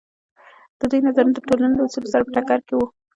د دوی نظرونه د ټولنې له اصولو سره په ټکر کې وو.